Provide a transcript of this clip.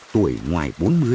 tuổi ngoài bốn mươi năm mươi